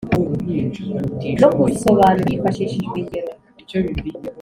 no kuzisobanura hifashishijwe ingero.